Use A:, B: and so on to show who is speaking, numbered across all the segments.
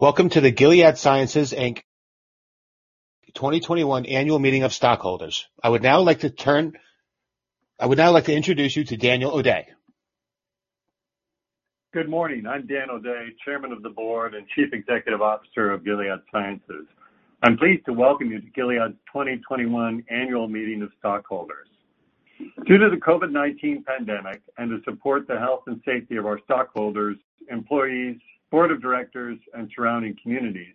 A: Welcome to the Gilead Sciences, Inc. 2021 annual meeting of stockholders. I would now like to introduce you to Daniel O'Day.
B: Good morning. I'm Daniel O'Day, Chairman of the Board and Chief Executive Officer of Gilead Sciences. I'm pleased to welcome you to Gilead's 2021 annual meeting of stockholders. Due to the COVID-19 pandemic and to support the health and safety of our stockholders, employees, Board of Directors, and surrounding communities,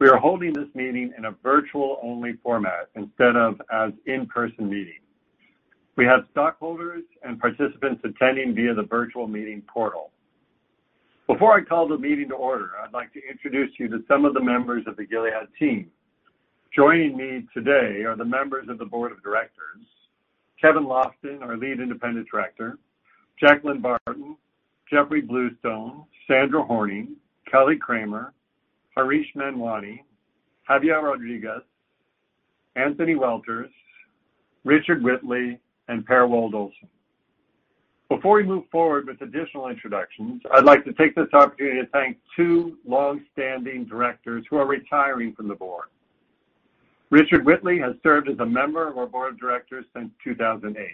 B: we are holding this meeting in a virtual-only format instead of as in-person meeting. We have stockholders and participants attending via the virtual meeting portal. Before I call the meeting to order, I'd like to introduce you to some of the members of the Gilead team. Joining me today are the members of the Board of Directors, Kevin E. Lofton, our Lead Independent Director, Jacqueline K. Barton, Jeffrey A. Bluestone, Sandra J. Horning, Kelly A. Kramer, Harish Manwani, Javier J. Rodriguez, Anthony Welters, Richard Whitley, and Per Wold-Olsen. Before we move forward with additional introductions, I'd like to take this opportunity to thank two longstanding directors who are retiring from the board. Richard Whitley has served as a member of our board of directors since 2008.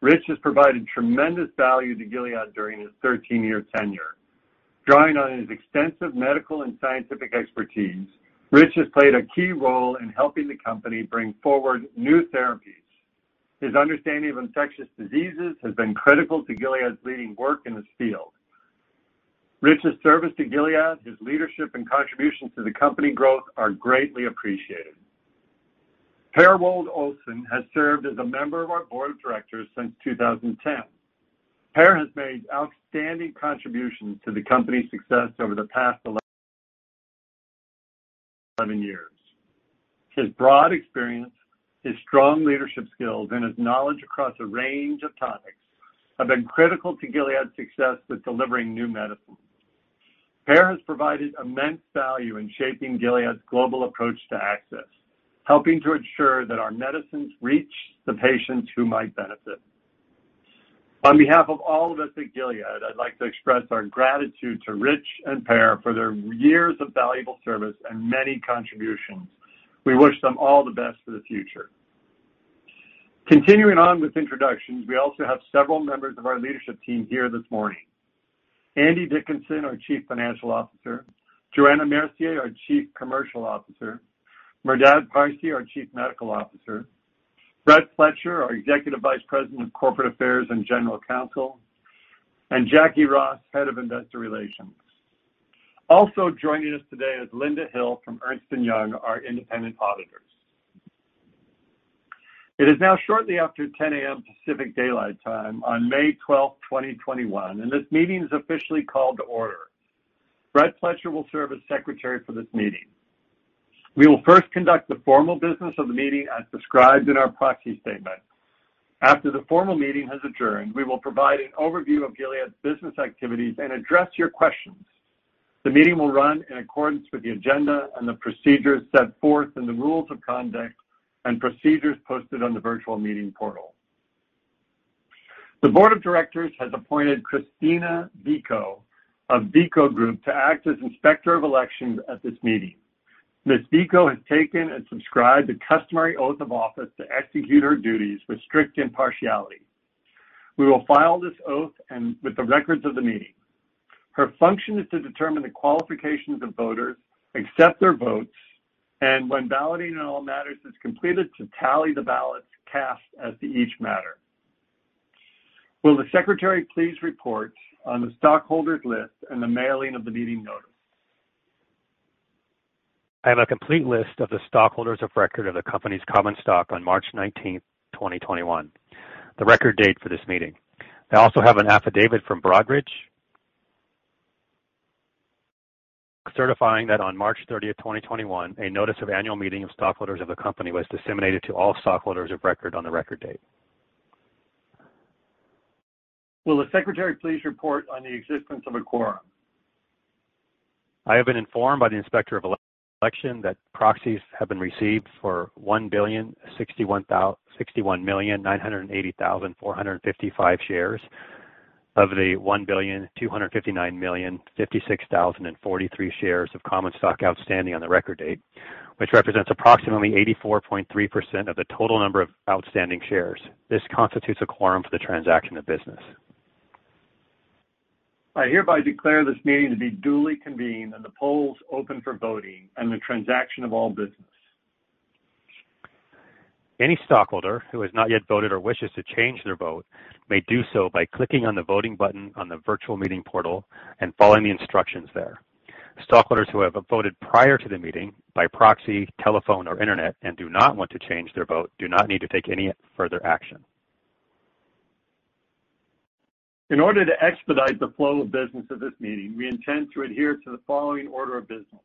B: Rich has provided tremendous value to Gilead during his 13-year tenure. Drawing on his extensive medical and scientific expertise, Rich has played a key role in helping the company bring forward new therapies. His understanding of infectious diseases has been critical to Gilead's leading work in this field. Rich's service to Gilead, his leadership and contributions to the company growth are greatly appreciated. Per Wold-Olsen has served as a member of our board of directors since 2010. Per has made outstanding contributions to the company's success over the past 11 years. His broad experience, his strong leadership skills, and his knowledge across a range of topics have been critical to Gilead's success with delivering new medicines. Per has provided immense value in shaping Gilead's global approach to access, helping to ensure that our medicines reach the patients who might benefit. On behalf of all of us at Gilead, I'd like to express our gratitude to Rich and Per for their years of valuable service and many contributions. We wish them all the best for the future. Continuing on with introductions, we also have several members of our leadership team here this morning. Andy Dickinson, our chief financial officer, Johanna Mercier, our chief commercial officer, Merdad Parsey, our chief medical officer, Brett Pletcher, our executive vice president of corporate affairs and general counsel, and Jacquie Ross, head of investor relations. Also joining us today is Linda Hill from Ernst & Young, our independent auditors. It is now shortly after 10:00 A.M. Pacific Daylight Time on May 12th, 2021, and this meeting is officially called to order. Brett Pletcher will serve as secretary for this meeting. We will first conduct the formal business of the meeting as described in our proxy statement. After the formal meeting has adjourned, we will provide an overview of Gilead's business activities and address your questions. The meeting will run in accordance with the agenda and the procedures set forth in the rules of conduct and procedures posted on the virtual meeting portal. The board of directors has appointed Christina Viko of Viko Group to act as Inspector of Elections at this meeting. Ms. Viko has taken and subscribed the customary oath of office to execute her duties with strict impartiality. We will file this oath with the records of the meeting. Her function is to determine the qualifications of voters, accept their votes, and when balloting on all matters is completed, to tally the ballots cast as to each matter. Will the secretary please report on the stockholders' list and the mailing of the meeting notice?
A: I have a complete list of the stockholders of record of the company's common stock on March 19th, 2021, the record date for this meeting. I also have an affidavit from Broadridge certifying that on March 30th, 2021, a notice of annual meeting of stockholders of the company was disseminated to all stockholders of record on the record date.
B: Will the secretary please report on the existence of a quorum?
A: I have been informed by the Inspector of Election that proxies have been received for 1,061,980,455 shares of the 1,259,056,043 shares of common stock outstanding on the record date, which represents approximately 84.3% of the total number of outstanding shares. This constitutes a quorum for the transaction of business.
B: I hereby declare this meeting to be duly convened and the polls open for voting and the transaction of all business.
A: Any stockholder who has not yet voted or wishes to change their vote may do so by clicking on the voting button on the virtual meeting portal and following the instructions there. Stockholders who have voted prior to the meeting by proxy, telephone, or internet and do not want to change their vote do not need to take any further action.
B: In order to expedite the flow of business of this meeting, we intend to adhere to the following order of business.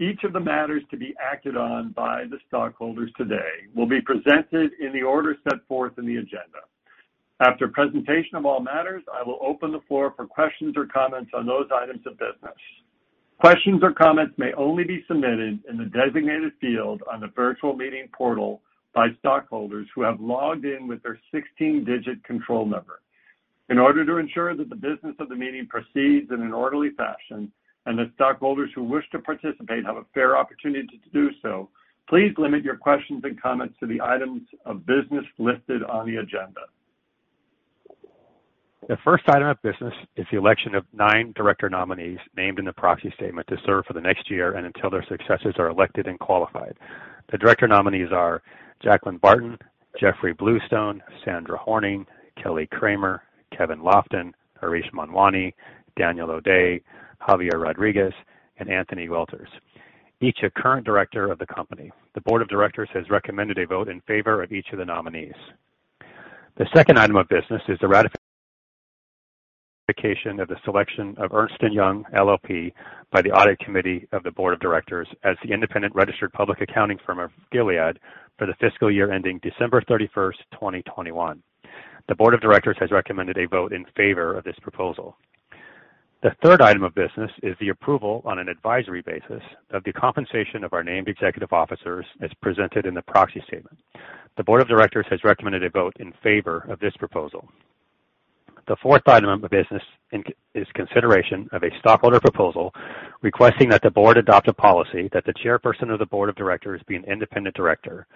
B: Each of the matters to be acted on by the stockholders today will be presented in the order set forth in the agenda. After presentation of all matters, I will open the floor for questions or comments on those items of business. Questions or comments may only be submitted in the designated field on the virtual meeting portal by stockholders who have logged in with their 16-digit control number. In order to ensure that the business of the meeting proceeds in an orderly fashion, and that stockholders who wish to participate have a fair opportunity to do so, please limit your questions and comments to the items of business listed on the agenda.
A: The first item of business is the election of nine director nominees named in the proxy statement to serve for the next year, and until their successors are elected and qualified. The director nominees are Jacqueline Barton, Jeffrey Bluestone, Sandra Horning, Kelly A. Kramer, Kevin Lofton, Harish Manwani, Daniel O'Day, Javier Rodriguez, and Anthony Welters, each a current director of the company. The board of directors has recommended a vote in favor of each of the nominees. The second item of business is the ratification of the selection of Ernst & Young LLP by the audit committee of the board of directors as the independent registered public accounting firm of Gilead for the fiscal year ending December 31st, 2021. The board of directors has recommended a vote in favor of this proposal. The third item of business is the approval on an advisory basis of the compensation of our named executive officers as presented in the proxy statement. The board of directors has recommended a vote in favor of this proposal. The fourth item of business is consideration of a stockholder proposal requesting that the board adopt a policy that the chairperson of the board of directors be an independent director.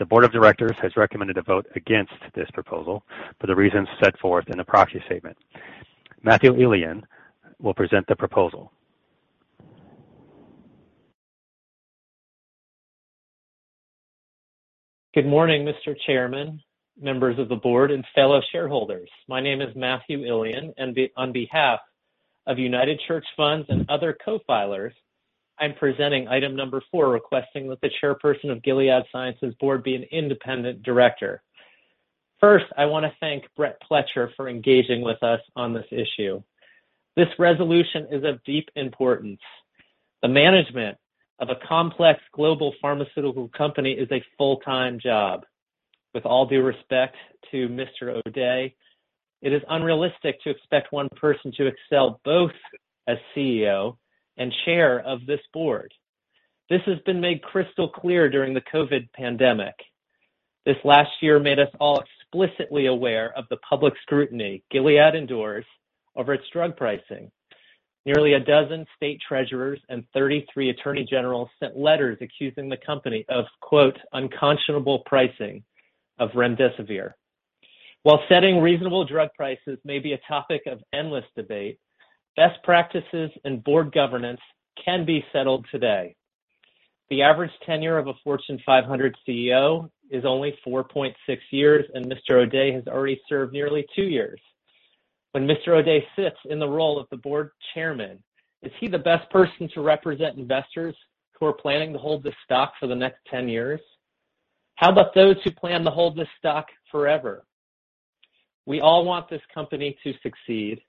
A: The board of directors has recommended a vote against this proposal for the reasons set forth in the proxy statement. Matthew Illian will present the proposal.
C: Good morning, Mr. Chairman, members of the Board, and fellow shareholders. My name is Matthew Illian, and on behalf of United Church Funds and other co-filers, I'm presenting item number four, requesting that the Chairperson of Gilead Sciences Board be an independent director. First, I want to thank Brett Pletcher for engaging with us on this issue. This resolution is of deep importance. The management of a complex global pharmaceutical company is a full-time job. With all due respect to Mr. O'Day, it is unrealistic to expect one person to excel both as CEO and Chair of this Board. This has been made crystal clear during the COVID pandemic. This last year made us all explicitly aware of the public scrutiny Gilead endures over its drug pricing. Nearly a dozen state treasurers and 33 attorney generals sent letters accusing the company of, "Unconscionable pricing of remdesivir." While setting reasonable drug prices may be a topic of endless debate, best practices and board governance can be settled today. The average tenure of a Fortune 500 CEO is only 4.6 years. Mr. O'Day has already served nearly two years. When Mr. O'Day sits in the role of the board chairman, is he the best person to represent investors who are planning to hold this stock for the next 10 years? How about those who plan to hold this stock forever? We all want this company to succeed.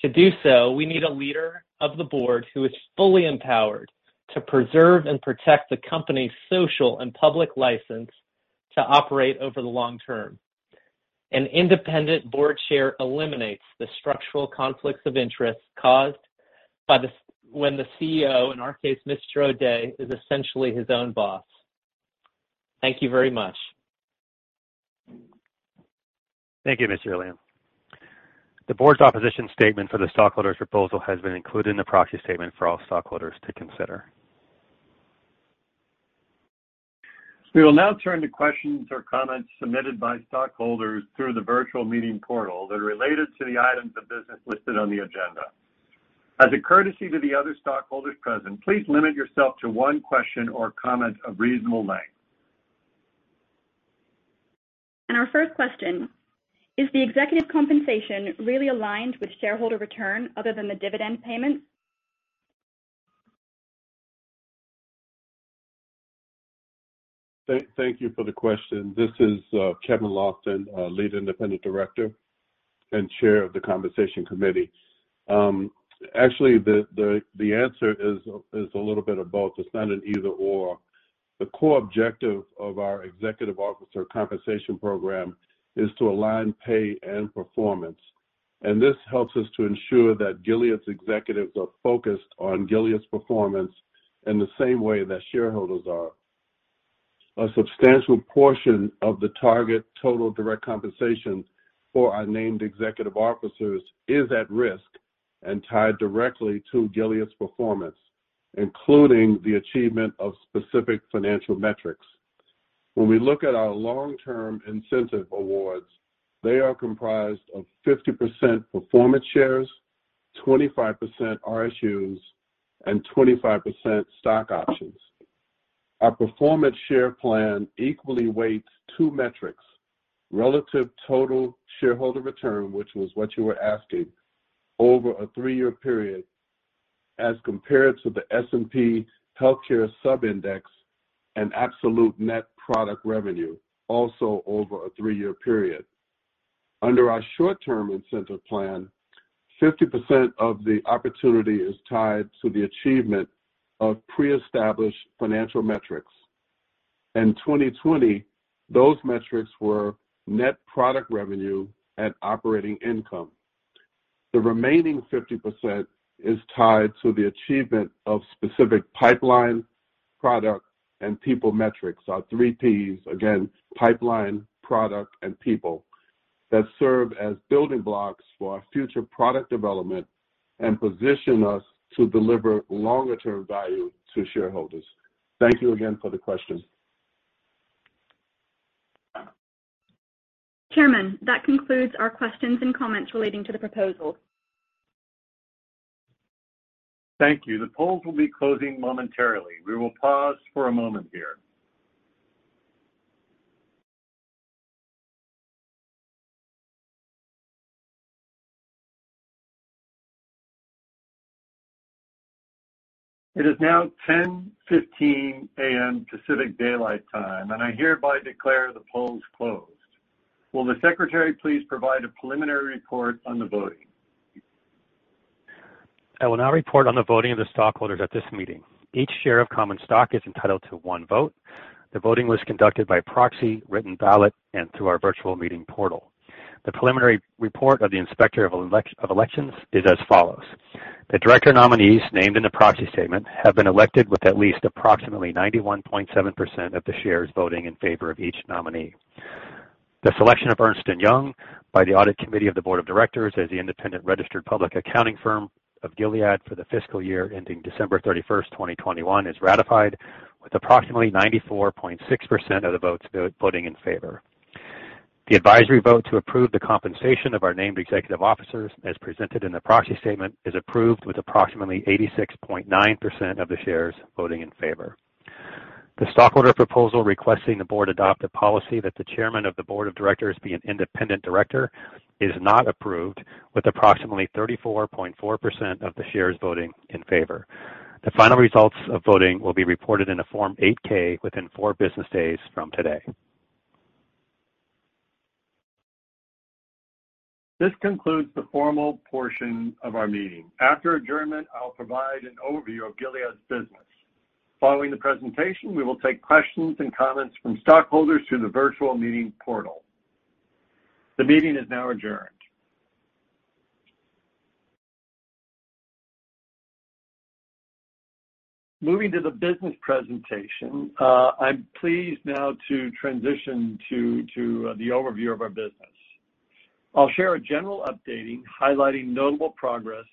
C: To do so, we need a leader of the board who is fully empowered to preserve and protect the company's social and public license to operate over the long term. An independent board chair eliminates the structural conflicts of interest caused when the CEO, in our case, Mr. O'Day, is essentially his own boss. Thank you very much.
A: Thank you, Mr. Illian. The board's opposition statement for the stockholder's proposal has been included in the proxy statement for all stockholders to consider.
B: We will now turn to questions or comments submitted by stockholders through the virtual meeting portal that are related to the items of business listed on the agenda. As a courtesy to the other stockholders present, please limit yourself to one question or comment of reasonable length.
D: Our first question, is the executive compensation really aligned with shareholder return other than the dividend payments?
E: Thank you for the question. This is Kevin Lofton, Lead Independent Director and Chair of the Compensation Committee. Actually, the answer is a little bit of both. It's not an either/or. The core objective of our executive officer compensation program is to align pay and performance, and this helps us to ensure that Gilead's executives are focused on Gilead's performance in the same way that shareholders are. A substantial portion of the target total direct compensation for our named executive officers is at risk and tied directly to Gilead's performance, including the achievement of specific financial metrics. When we look at our long-term incentive awards, they are comprised of 50% performance shares, 25% RSUs, and 25% stock options. Our performance share plan equally weights two metrics, relative total shareholder return, which was what you were asking, over a three-year period as compared to the S&P Healthcare Sub Index and absolute net product revenue, also over a three-year period. Under our short-term incentive plan, 50% of the opportunity is tied to the achievement of pre-established financial metrics. In 2020, those metrics were net product revenue and operating income. The remaining 50% is tied to the achievement of specific pipeline, product, and people metrics. Our three Ps, again, pipeline, product, and people, that serve as building blocks for our future product development and position us to deliver longer-term value to shareholders. Thank you again for the question.
D: Chairman, that concludes our questions and comments relating to the proposal.
B: Thank you. The polls will be closing momentarily. We will pause for a moment here. It is now 10:15 A.M. Pacific Daylight Time, and I hereby declare the polls closed. Will the secretary please provide a preliminary report on the voting?
A: I will now report on the voting of the stockholders at this meeting. Each share of common stock is entitled to one vote. The voting was conducted by proxy, written ballot, and through our virtual meeting portal. The preliminary report of the Inspector of Elections is as follows. The director nominees named in the proxy statement have been elected with at least approximately 91.7% of the shares voting in favor of each nominee. The selection of Ernst & Young by the Audit Committee of the Board of Directors as the independent registered public accounting firm of Gilead for the fiscal year ending December 31st, 2021 is ratified with approximately 94.6% of the votes voting in favor. The advisory vote to approve the compensation of our named executive officers, as presented in the proxy statement, is approved with approximately 86.9% of the shares voting in favor. The stockholder proposal requesting the board adopt a policy that the chairman of the board of directors be an independent director is not approved with approximately 34.4% of the shares voting in favor. The final results of voting will be reported in a Form 8-K within four business days from today.
B: This concludes the formal portion of our meeting. After adjournment, I'll provide an overview of Gilead's business. Following the presentation, we will take questions and comments from stockholders through the virtual meeting portal. The meeting is now adjourned. Moving to the business presentation, I'm pleased now to transition to the overview of our business. I'll share a general updating highlighting notable progress,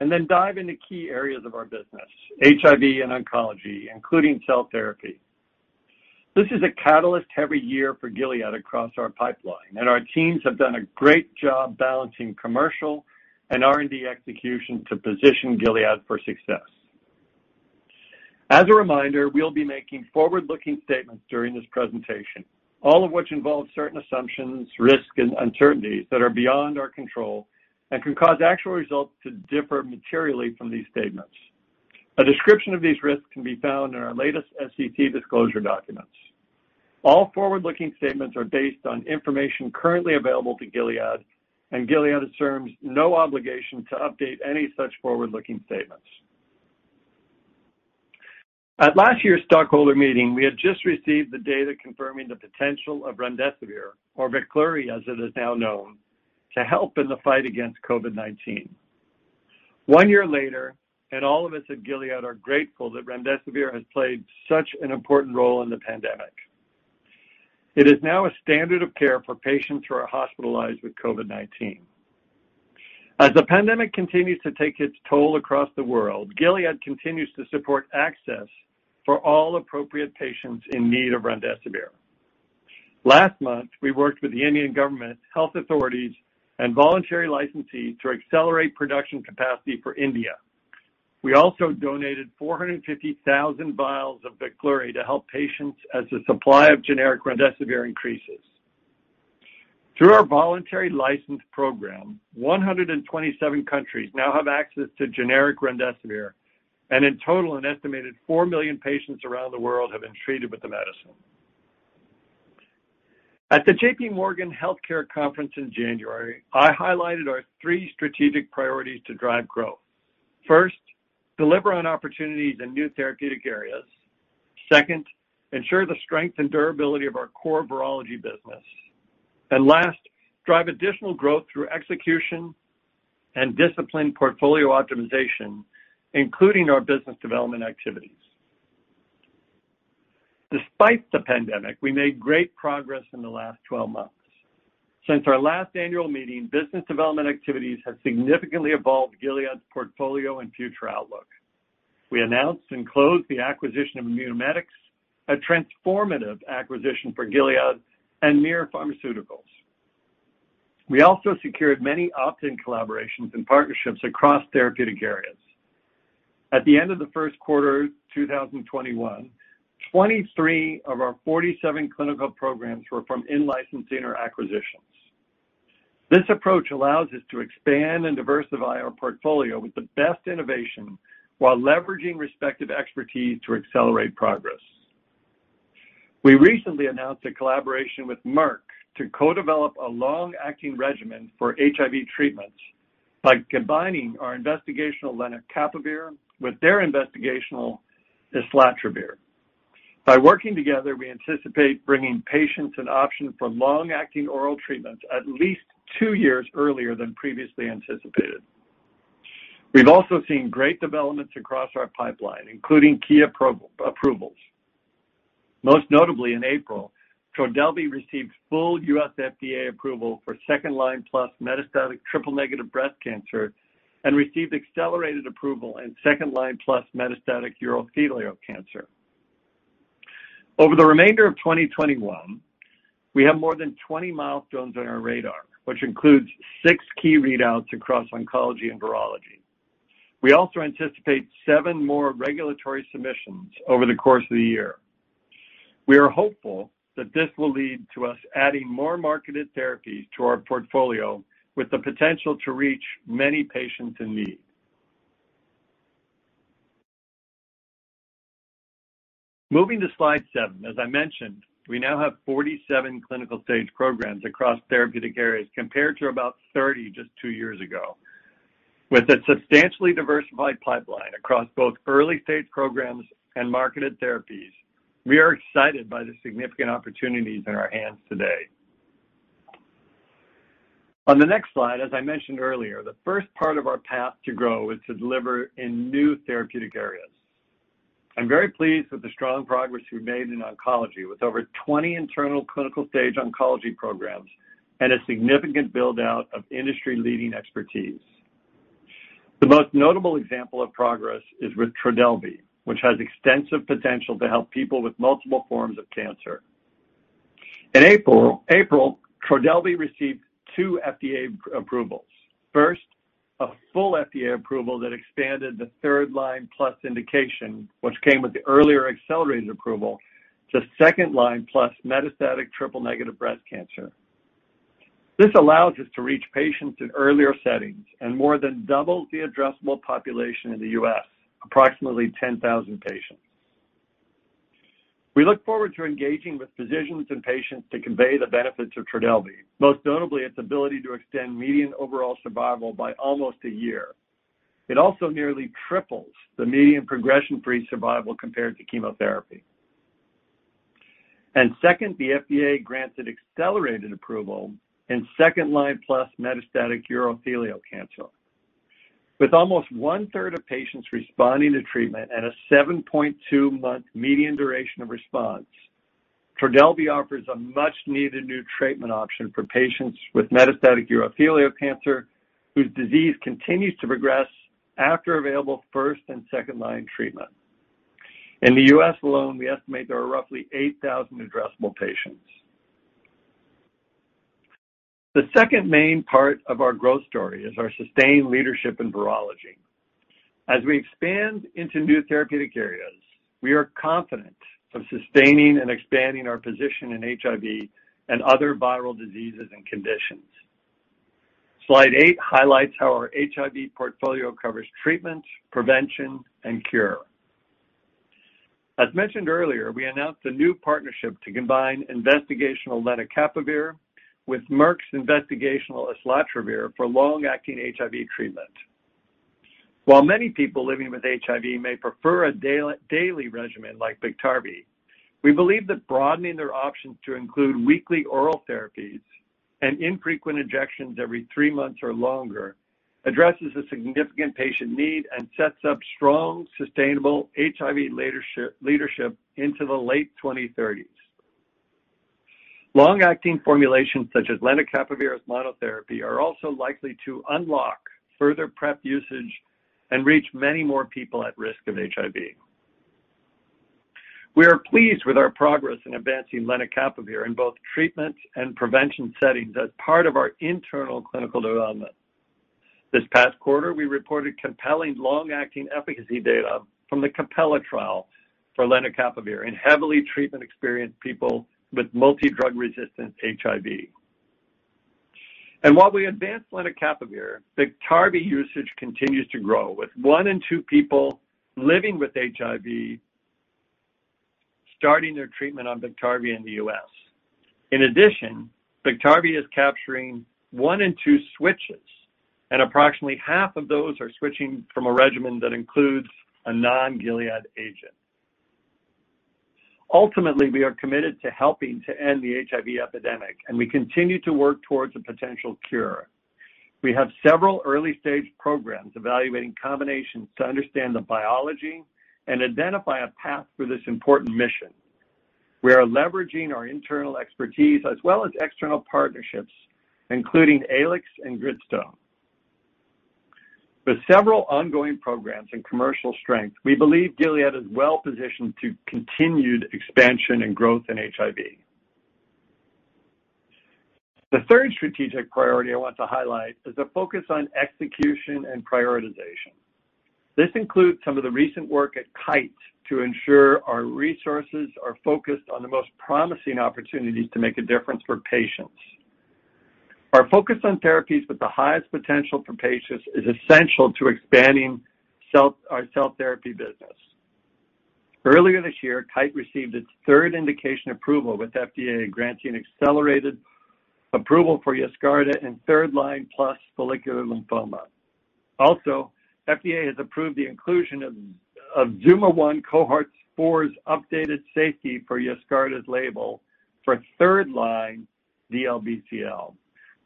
B: and then dive into key areas of our business, HIV and oncology, including cell therapy. This is a catalyst every year for Gilead across our pipeline, and our teams have done a great job balancing commercial and R&D execution to position Gilead for success. As a reminder, we'll be making forward-looking statements during this presentation, all of which involve certain assumptions, risks, and uncertainties that are beyond our control and can cause actual results to differ materially from these statements. A description of these risks can be found in our latest SEC disclosure documents. All forward-looking statements are based on information currently available to Gilead, and Gilead assumes no obligation to update any such forward-looking statements. At last year's stockholder meeting, we had just received the data confirming the potential of remdesivir, or Veklury, as it is now known, to help in the fight against COVID-19. One year later, all of us at Gilead are grateful that remdesivir has played such an important role in the pandemic. It is now a standard of care for patients who are hospitalized with COVID-19. As the pandemic continues to take its toll across the world, Gilead continues to support access for all appropriate patients in need of remdesivir. Last month, we worked with the Indian government, health authorities, and voluntary licensees to accelerate production capacity for India. We also donated 450,000 vials of Veklury to help patients as the supply of generic remdesivir increases. Through our voluntary license program, 127 countries now have access to generic remdesivir, and in total, an estimated four million patients around the world have been treated with the medicine. At the J.P. Morgan Healthcare Conference in January, I highlighted our three strategic priorities to drive growth. First, deliver on opportunities in new therapeutic areas. Second, ensure the strength and durability of our core virology business. Last, drive additional growth through execution and disciplined portfolio optimization, including our business development activities. Despite the pandemic, we made great progress in the last 12 months. Since our last annual meeting, business development activities have significantly evolved Gilead's portfolio and future outlook. We announced and closed the acquisition of Immunomedics, a transformative acquisition for Gilead and MYR GmbH. We also secured many opt-in collaborations and partnerships across therapeutic areas. At the end of the first quarter 2021, 23 of our 47 clinical programs were from in-licensing or acquisitions. This approach allows us to expand and diversify our portfolio with the best innovation while leveraging respective expertise to accelerate progress. We recently announced a collaboration with Merck to co-develop a long-acting regimen for HIV treatments by combining our investigational lenacapavir with their investigational islatravir. By working together, we anticipate bringing patients an option for long-acting oral treatments at least two years earlier than previously anticipated. We've also seen great developments across our pipeline, including key approvals. Most notably, in April, Trodelvy received full U.S. FDA approval for second-line plus metastatic triple-negative breast cancer and received accelerated approval in second-line plus metastatic urothelial cancer. Over the remainder of 2021, we have more than 20 milestones on our radar, which includes six key readouts across oncology and virology. We also anticipate seven more regulatory submissions over the course of the year. We are hopeful that this will lead to us adding more marketed therapies to our portfolio with the potential to reach many patients in need. Moving to slide seven, as I mentioned, we now have 47 clinical stage programs across therapeutic areas, compared to about 30 just two years ago. With a substantially diversified pipeline across both early-stage programs and marketed therapies, we are excited by the significant opportunities in our hands today. On the next slide, as I mentioned earlier, the first part of our path to grow is to deliver in new therapeutic areas. I'm very pleased with the strong progress we've made in oncology, with over 20 internal clinical stage oncology programs and a significant build-out of industry-leading expertise. The most notable example of progress is with Trodelvy, which has extensive potential to help people with multiple forms of cancer. In April, Trodelvy received two FDA approvals. First, a full FDA approval that expanded the third-line plus indication, which came with the earlier accelerated approval to second-line plus metastatic triple-negative breast cancer. This allows us to reach patients in earlier settings and more than doubles the addressable population in the U.S., approximately 10,000 patients. We look forward to engaging with physicians and patients to convey the benefits of Trodelvy, most notably its ability to extend median overall survival by almost a year. It also nearly triples the median progression-free survival compared to chemotherapy. Second, the FDA granted accelerated approval in second-line plus metastatic urothelial cancer. With almost 1/3 of patients responding to treatment and a 7.2-month median duration of response, Trodelvy offers a much-needed new treatment option for patients with metastatic urothelial cancer whose disease continues to progress after available first and second-line treatment. In the U.S. alone, we estimate there are roughly 8,000 addressable patients. The second main part of our growth story is our sustained leadership in virology. As we expand into new therapeutic areas, we are confident of sustaining and expanding our position in HIV and other viral diseases and conditions. Slide eight highlights how our HIV portfolio covers treatments, prevention, and cure. As mentioned earlier, we announced a new partnership to combine investigational lenacapavir with Merck's investigational islatravir for long-acting HIV treatment. While many people living with HIV may prefer a daily regimen like Biktarvy, we believe that broadening their options to include weekly oral therapies and infrequent injections every three months or longer addresses a significant patient need and sets up strong, sustainable HIV leadership into the late 2030s. Long-acting formulations such as lenacapavir as monotherapy are also likely to unlock further PrEP usage and reach many more people at risk of HIV. We are pleased with our progress in advancing lenacapavir in both treatment and prevention settings as part of our internal clinical development. This past quarter, we reported compelling long-acting efficacy data from the CAPELLA trial for lenacapavir in heavily treatment-experienced people with multidrug-resistant HIV. While we advance lenacapavir, Biktarvy usage continues to grow, with one in two people living with HIV starting their treatment on Biktarvy in the U.S. In addition, Biktarvy is capturing one in two switches, and approximately half of those are switching from a regimen that includes a non-Gilead agent. Ultimately, we are committed to helping to end the HIV epidemic, and we continue to work towards a potential cure. We have several early-stage programs evaluating combinations to understand the biology and identify a path for this important mission. We are leveraging our internal expertise as well as external partnerships, including Aelix and Gritstone. With several ongoing programs and commercial strength, we believe Gilead is well-positioned to continued expansion and growth in HIV. The third strategic priority I want to highlight is the focus on execution and prioritization. This includes some of the recent work at Kite to ensure our resources are focused on the most promising opportunities to make a difference for patients. Our focus on therapies with the highest potential for patients is essential to expanding our cell therapy business. Earlier this year, Kite received its third indication approval, with FDA granting accelerated approval for Yescarta in third-line plus follicular lymphoma. FDA has approved the inclusion of ZUMA-1 cohort four's updated safety for Yescarta's label for third-line DLBCL,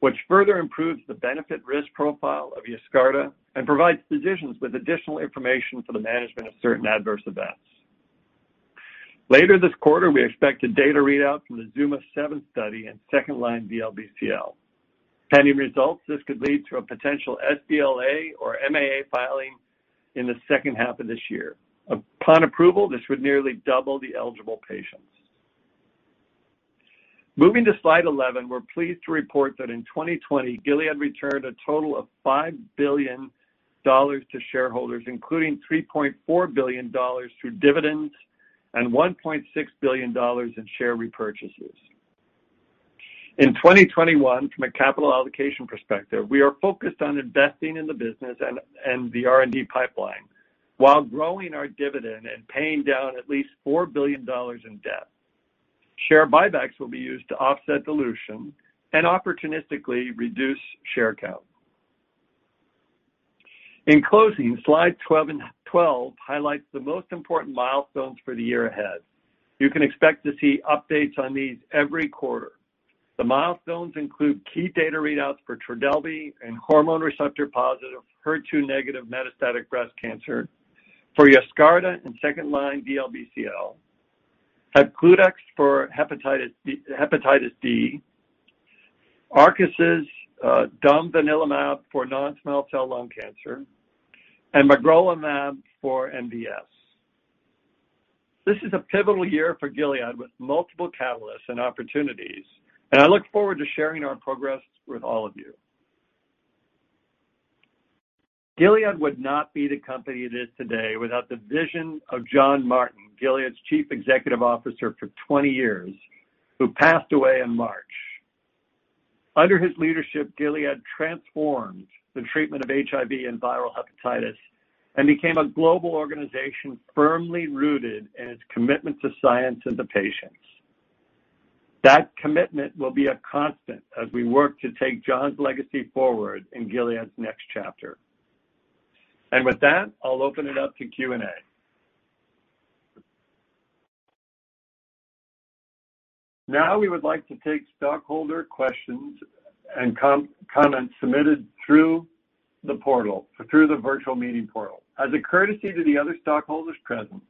B: which further improves the benefit/risk profile of Yescarta and provides physicians with additional information for the management of certain adverse events. Later this quarter, we expect a data readout from the ZUMA-7 study in second-line DLBCL. Pending results, this could lead to a potential sBLA or MAA filing in the second half of this year. Upon approval, this would nearly double the eligible patients. Moving to slide 11, we're pleased to report that in 2020, Gilead returned a total of $5 billion to shareholders, including $3.4 billion through dividends and $1.6 billion in share repurchases. In 2021, from a capital allocation perspective, we are focused on investing in the business and the R&D pipeline while growing our dividend and paying down at least $4 billion in debt. Share buybacks will be used to offset dilution and opportunistically reduce share count. In closing, slide 12 highlights the most important milestones for the year ahead. You can expect to see updates on these every quarter. The milestones include key data readouts for Trodelvy in hormone receptor-positive, HER2 negative metastatic breast cancer, for Yescarta in second-line DLBCL, Hepcludex for hepatitis D, Arcus' domvanalimab for non-small cell lung cancer, and magrolimab for MDS. This is a pivotal year for Gilead with multiple catalysts and opportunities, and I look forward to sharing our progress with all of you. Gilead would not be the company it is today without the vision of John Martin, Gilead's Chief Executive Officer for 20 years, who passed away in March. Under his leadership, Gilead transformed the treatment of HIV and viral hepatitis and became a global organization firmly rooted in its commitment to science and to patients. That commitment will be a constant as we work to take John's legacy forward in Gilead's next chapter. With that, I'll open it up to Q&A. Now, we would like to take stockholder questions and comments submitted through the portal, through the virtual meeting portal. As a courtesy to the other stockholders present,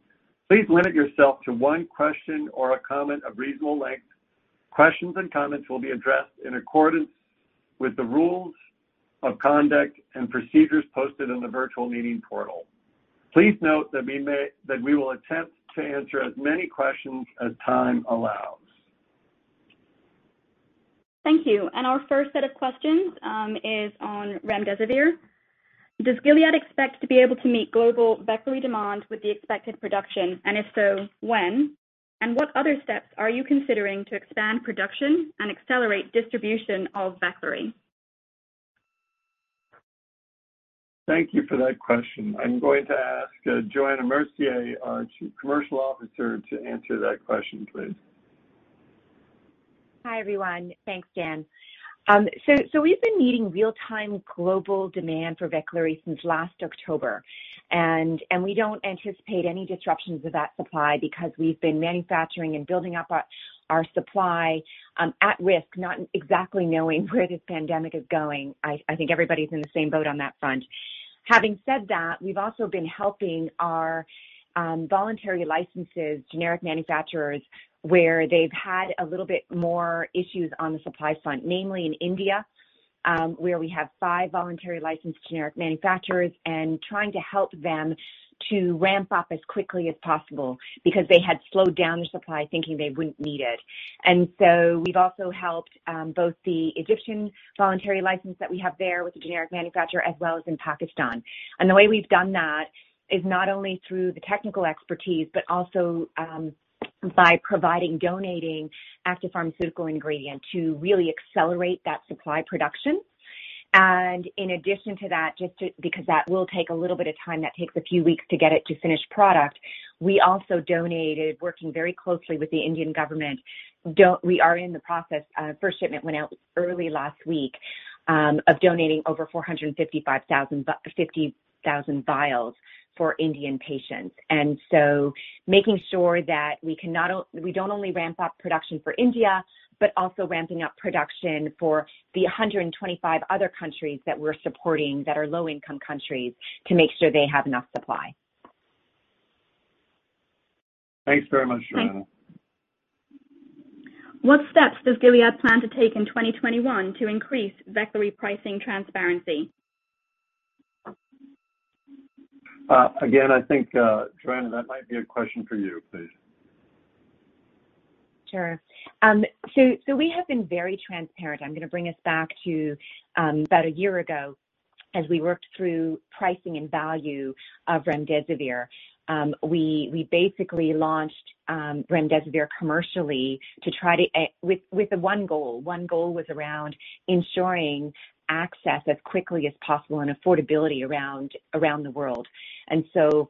B: please limit yourself to one question or a comment of reasonable length. Questions and comments will be addressed in accordance with the rules of conduct and procedures posted in the virtual meeting portal. Please note that we will attempt to answer as many questions as time allows.
D: Thank you. Our first set of questions is on remdesivir. Does Gilead expect to be able to meet global Veklury demand with the expected production? If so, when? What other steps are you considering to expand production and accelerate distribution of Veklury?
B: Thank you for that question. I'm going to ask Johanna Mercier, our Chief Commercial Officer, to answer that question, please.
F: Hi, everyone. Thanks, Dan. We've been meeting real-time global demand for Veklury since last October, and we don't anticipate any disruptions of that supply because we've been manufacturing and building up our supply at risk, not exactly knowing where this pandemic is going. I think everybody's in the same boat on that front. Having said that, we've also been helping our voluntary licenses generic manufacturers, where they've had a little bit more issues on the supply front, namely in India, where we have five voluntary licensed generic manufacturers, and trying to help them to ramp up as quickly as possible because they had slowed down their supply thinking they wouldn't need it. We've also helped both the Egyptian voluntary license that we have there with the generic manufacturer, as well as in Pakistan. The way we've done that is not only through the technical expertise, but also by providing, donating active pharmaceutical ingredient to really accelerate that supply production. In addition to that, because that will take a little bit of time, that takes a few weeks to get it to finished product, we also donated, working very closely with the Indian government, we are in the process, first shipment went out early last week, of donating over 455,000 vials for Indian patients. Making sure that we don't only ramp up production for India, but also ramping up production for the 125 other countries that we're supporting that are low-income countries to make sure they have enough supply.
B: Thanks very much, Johanna.
D: Thanks. What steps does Gilead plan to take in 2021 to increase Veklury pricing transparency?
B: Again, I think, Johanna, that might be a question for you, please.
F: Sure. We have been very transparent. I'm going to bring us back to about a year ago as we worked through pricing and value of remdesivir. We basically launched remdesivir commercially with the one goal. One goal was around ensuring access as quickly as possible and affordability around the world.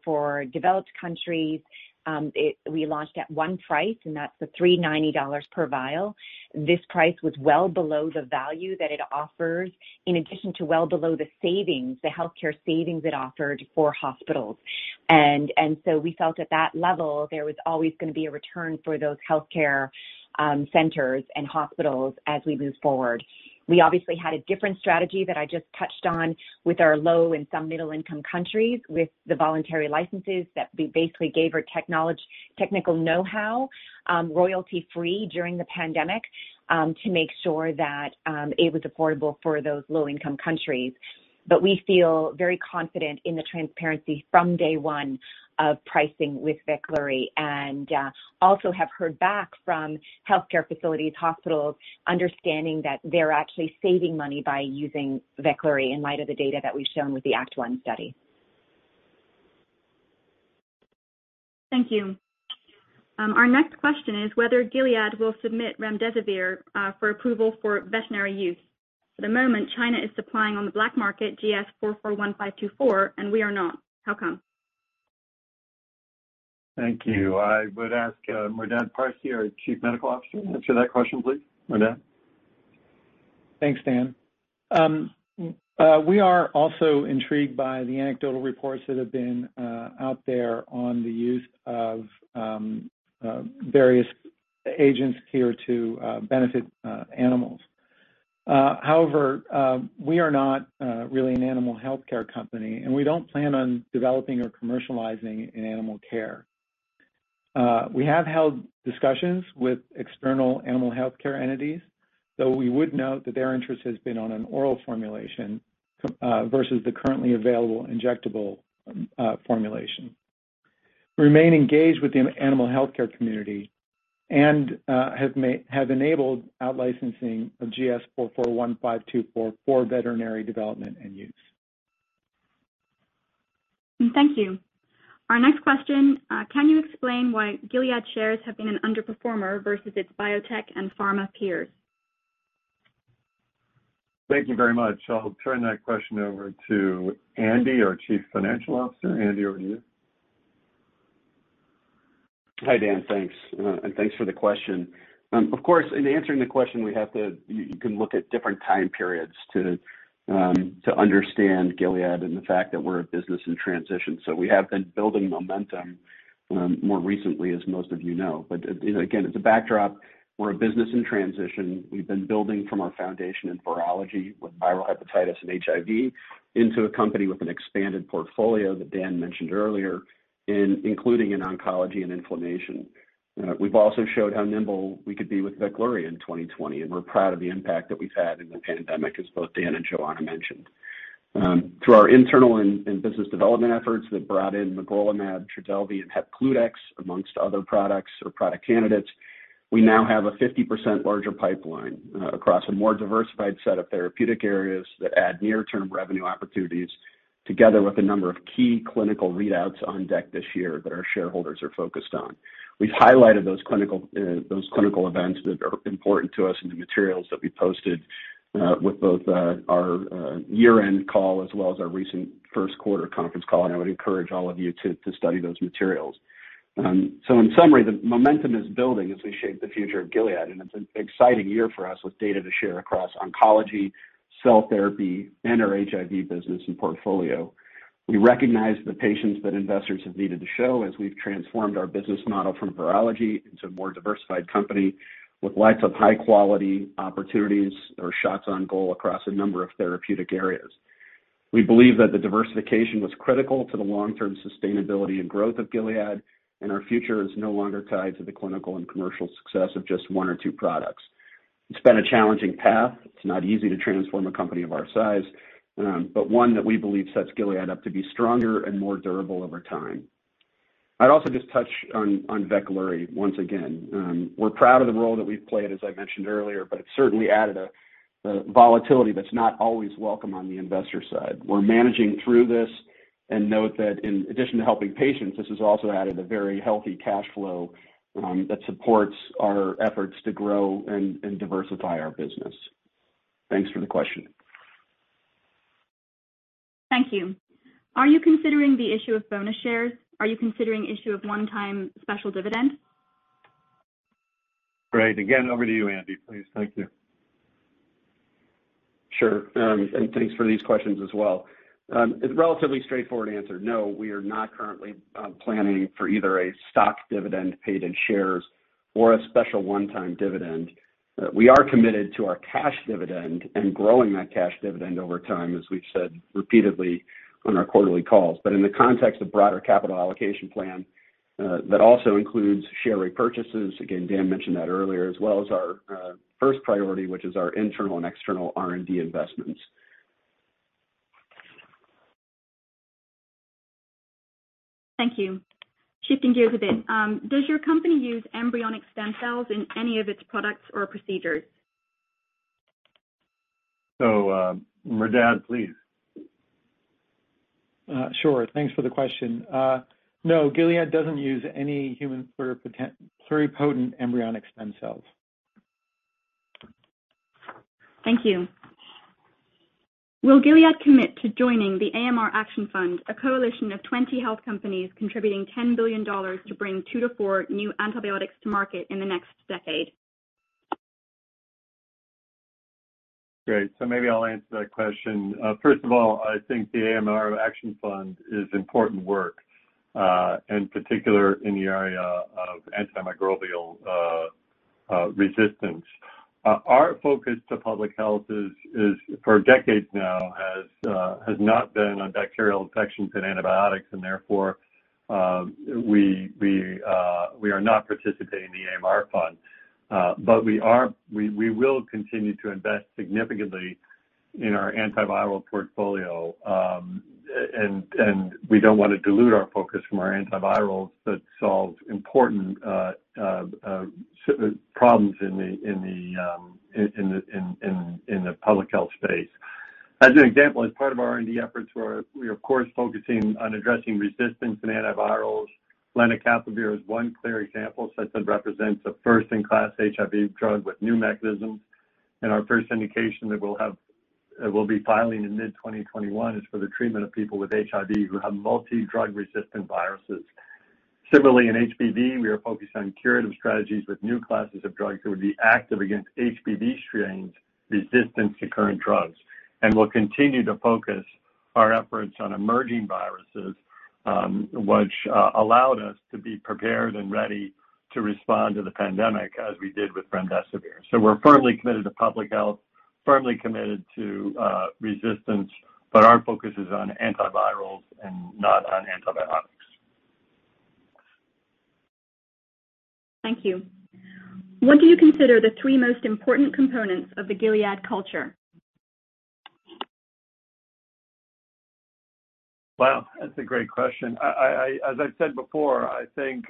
F: For developed countries, we launched at one price, and that's the $390 per vial. This price was well below the value that it offers, in addition to well below the savings, the healthcare savings it offered for hospitals. We felt at that level, there was always going to be a return for those healthcare centers and hospitals as we move forward. We obviously had a different strategy that I just touched on with our low and some middle-income countries with the voluntary licenses that we basically gave our technical know-how, royalty-free during the pandemic to make sure that it was affordable for those low-income countries. We feel very confident in the transparency from day one of pricing with Veklury and also have heard back from healthcare facilities, hospitals understanding that they're actually saving money by using Veklury in light of the data that we've shown with the ACTT-1 study.
D: Thank you. Our next question is whether Gilead will submit remdesivir for approval for veterinary use. For the moment, China is supplying on the black market GS-441524 and we are not. How come?
B: Thank you. I would ask Merdad Parsey, our Chief Medical Officer, to answer that question, please. Merdad.
G: Thanks, Dan. We are also intrigued by the anecdotal reports that have been out there on the use of various agents here to benefit animals. We are not really an animal healthcare company, and we don't plan on developing or commercializing in animal care. We have held discussions with external animal healthcare entities, though we would note that their interest has been on an oral formulation versus the currently available injectable formulation. We remain engaged with the animal healthcare community and have enabled out-licensing of GS-441524 for veterinary development and use.
D: Thank you. Our next question, can you explain why Gilead shares have been an underperformer versus its biotech and pharma peers?
B: Thank you very much. I'll turn that question over to Andy, our Chief Financial Officer. Andy, over to you.
H: Hi, Dan. Thanks. Thanks for the question. Of course, in answering the question, you can look at different time periods to understand Gilead and the fact that we're a business in transition. We have been building momentum more recently, as most of you know. Again, as a backdrop, we're a business in transition. We've been building from our foundation in virology with viral hepatitis and HIV into a company with an expanded portfolio that Dan mentioned earlier, including in oncology and inflammation. We've also showed how nimble we could be with Veklury in 2020. We're proud of the impact that we've had in the pandemic, as both Dan and Johanna mentioned. Through our internal and business development efforts that brought in migalastat, Trodelvy, and Hepcludex, amongst other products or product candidates, we now have a 50% larger pipeline across a more diversified set of therapeutic areas that add near-term revenue opportunities together with a number of key clinical readouts on deck this year that our shareholders are focused on. We've highlighted those clinical events that are important to us in the materials that we posted with both our year-end call as well as our recent first quarter conference call, and I would encourage all of you to study those materials. In summary, the momentum is building as we shape the future of Gilead, and it's an exciting year for us with data to share across oncology, cell therapy, and our HIV business and portfolio. We recognize the patience that investors have needed to show as we've transformed our business model from virology into a more diversified company with lots of high-quality opportunities or shots on goal across a number of therapeutic areas. We believe that the diversification was critical to the long-term sustainability and growth of Gilead, and our future is no longer tied to the clinical and commercial success of just one or two products. It's been a challenging path. It's not easy to transform a company of our size, but one that we believe sets Gilead up to be stronger and more durable over time. I'd also just touch on Veklury once again. We're proud of the role that we've played, as I mentioned earlier, but it's certainly added a volatility that's not always welcome on the investor side. We're managing through this and note that in addition to helping patients, this has also added a very healthy cash flow that supports our efforts to grow and diversify our business. Thanks for the question.
D: Thank you. Are you considering the issue of bonus shares? Are you considering issue of one-time special dividend?
B: Great. Again, over to you, Andy, please. Thank you.
H: Sure, thanks for these questions as well. It's a relatively straightforward answer. No, we are not currently planning for either a stock dividend paid in shares or a special one-time dividend. We are committed to our cash dividend and growing that cash dividend over time, as we've said repeatedly on our quarterly calls. In the context of broader capital allocation plan, that also includes share repurchases, again, Dan mentioned that earlier, as well as our first priority, which is our internal and external R&D investments.
D: Thank you. Shifting gears a bit. Does your company use embryonic stem cells in any of its products or procedures?
B: Merdad, please.
G: Sure. Thanks for the question. No, Gilead doesn't use any human pluripotent embryonic stem cells.
D: Thank you. Will Gilead commit to joining the AMR Action Fund, a coalition of 20 health companies contributing $10 billion to bring two to four new antibiotics to market in the next decade?
B: Great. Maybe I'll answer that question. First of all, I think the AMR Action Fund is important work, in particular in the area of antimicrobial resistance. Our focus to public health, for decades now, has not been on bacterial infections and antibiotics, and therefore, we are not participating in the AMR Fund. We will continue to invest significantly in our antiviral portfolio. We don't want to dilute our focus from our antivirals that solve important problems in the public health space. As an example, as part of our R&D efforts, we're of course, focusing on addressing resistance in antivirals. Lenacapavir is one clear example, since it represents a first-in-class HIV drug with new mechanisms, and our first indication that we'll be filing in mid 2021 is for the treatment of people with HIV who have multidrug-resistant viruses. Similarly, in HBV, we are focused on curative strategies with new classes of drugs that would be active against HBV strains resistant to current drugs. We'll continue to focus our efforts on emerging viruses, which allowed us to be prepared and ready to respond to the pandemic as we did with remdesivir. We're firmly committed to public health, firmly committed to resistance, but our focus is on antivirals and not on antibiotics.
D: Thank you. What do you consider the three most important components of the Gilead culture?
B: Wow, that's a great question. As I've said before, I think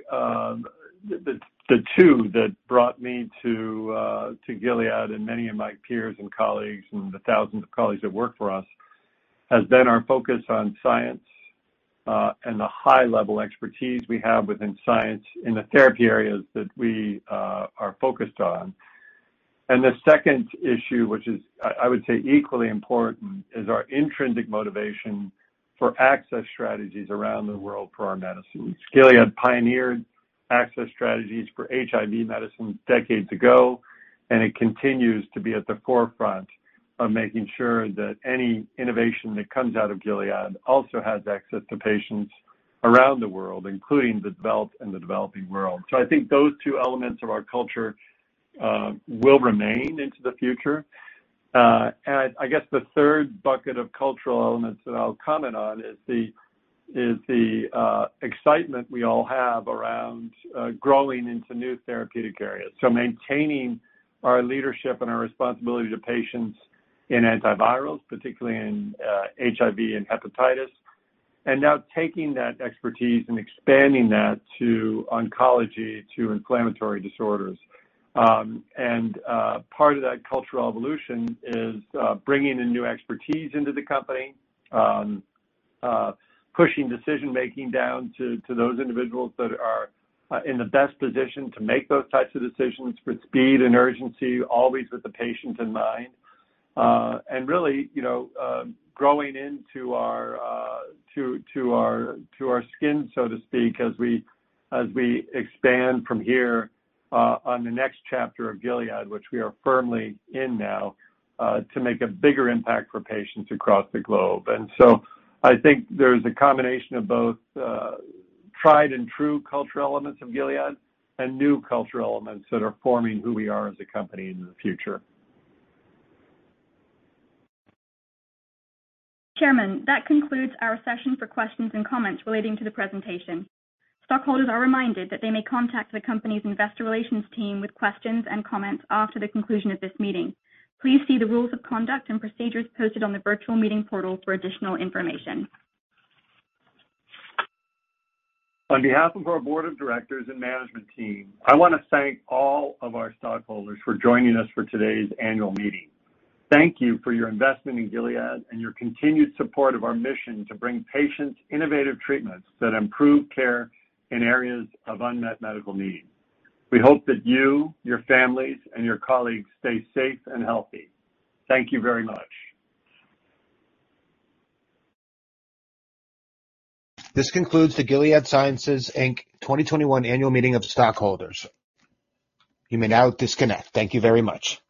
B: the two that brought me to Gilead and many of my peers and colleagues and the thousands of colleagues that work for us, has been our focus on science and the high-level expertise we have within science in the therapy areas that we are focused on. The second issue, which is, I would say, equally important, is our intrinsic motivation for access strategies around the world for our medicines. Gilead pioneered access strategies for HIV medicines decades ago, and it continues to be at the forefront of making sure that any innovation that comes out of Gilead also has access to patients around the world, including the developed and the developing world. I think those two elements of our culture will remain into the future. I guess the third bucket of cultural elements that I'll comment on is the excitement we all have around growing into new therapeutic areas. Maintaining our leadership and our responsibility to patients in antivirals, particularly in HIV and hepatitis, and now taking that expertise and expanding that to oncology, to inflammatory disorders. Part of that cultural evolution is bringing in new expertise into the company, pushing decision-making down to those individuals that are in the best position to make those types of decisions with speed and urgency, always with the patient in mind. Really growing into our skin, so to speak, as we expand from here on the next chapter of Gilead, which we are firmly in now, to make a bigger impact for patients across the globe. I think there's a combination of both tried and true cultural elements of Gilead and new cultural elements that are forming who we are as a company into the future.
D: Chairman, that concludes our session for questions and comments relating to the presentation. Stockholders are reminded that they may contact the company's investor relations team with questions and comments after the conclusion of this meeting. Please see the rules of conduct and procedures posted on the virtual meeting portal for additional information.
B: On behalf of our board of directors and management team, I want to thank all of our stockholders for joining us for today's annual meeting. Thank you for your investment in Gilead and your continued support of our mission to bring patients innovative treatments that improve care in areas of unmet medical need. We hope that you, your families, and your colleagues stay safe and healthy. Thank you very much.
I: This concludes the Gilead Sciences, Inc. 2021 annual meeting of stockholders. You may now disconnect. Thank you very much.